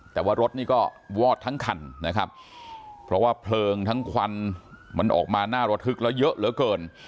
แต่ว่ารถนี่ก็วอดทั้งคันนะครับเพราะว่าเพลิงทั้งควันมันออกมาหน้าระทึกแล้วเยอะเหลือเกิน